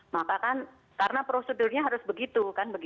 maka kan karena prosedurnya harus begitu